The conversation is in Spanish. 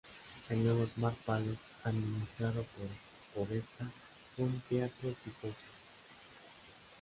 El nuevo Smart Palace, administrado por Podestá, fue un teatro exitoso.